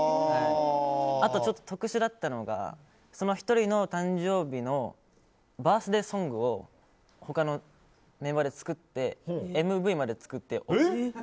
あと、ちょっと特殊だったのがその１人の誕生日のバースデーソングを他のメンバーで作ってＭＶまで作って。